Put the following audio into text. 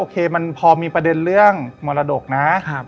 เคมันพอมีประเด็นเรื่องมรดกนะ